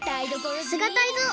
さすがタイゾウ！